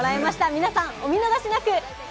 皆さん、お見逃しなく。